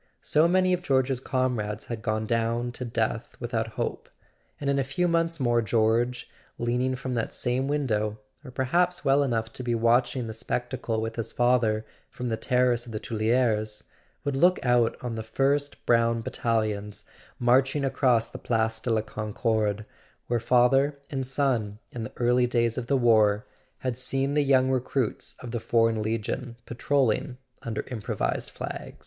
So many of George's comrades had gone down to death without hope; and in a few months more George, leaning from that same window—or perhaps well enough to be watching the spectacle with his father from the terrace of the Tuileries—would look out on the first brown battalions marching across the Place de la Concorde, where father and son, in the early days of the war, had seen the young recruits of the Foreign Legion patrolling under improvised flags.